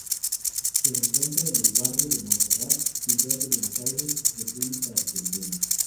Se encuentra en el barrio de Monserrat, ciudad de Buenos Aires, República Argentina.